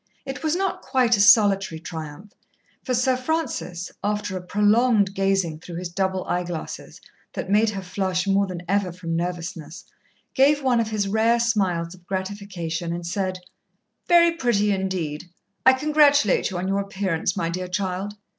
It was not quite a solitary triumph, for Sir Francis, after a prolonged gazing through his double eye glasses that made her flush more than ever from nervousness, gave one of his rare smiles of gratification and said: "Very pretty indeed. I congratulate you on your appearance, my dear child."